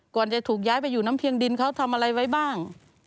ก่อนจะถูกย้ายไปอยู่น้ำเพียงดินเขาทำอะไรไว้บ้าง